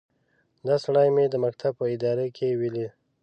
دا سړی مې د مکتب په اداره کې وليد.